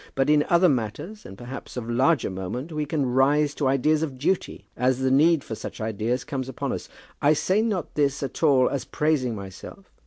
But in other matters, and perhaps of larger moment, we can rise to ideas of duty as the need for such ideas comes upon us. I say not this at all as praising myself.